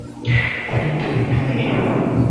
Kuri twitter ye